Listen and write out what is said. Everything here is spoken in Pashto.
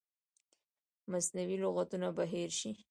مصنوعي لغتونه به هیر شي.